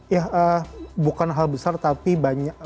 ya bukan hal besar tapi banyak